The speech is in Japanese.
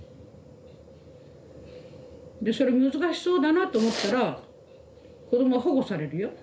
でそれ難しそうだなと思ったら子どもは保護されるよ。